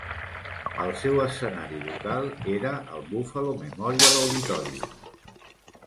El seu escenari local era el Buffalo Memorial Auditorium.